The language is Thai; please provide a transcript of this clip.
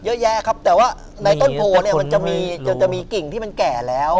เยอะแยะครับแต่ว่าในต้นโพเนี่ยมันจะมีจะมีกิ่งที่มันแก่แล้ว